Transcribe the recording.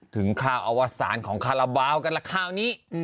ถึงข้าวอาวัศธิ์ศาลของคาระเบ้ากันแล้วคราวนี้